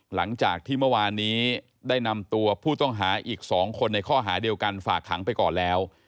หลังจากที่เมื่อวานนี้ได้นำตัวผู้ต้องหาอีก๒คนในข้อหาเดียวกันฝากขังไปก่อนแล้ว